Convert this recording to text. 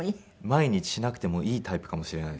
毎日しなくてもいいタイプかもしれないですね。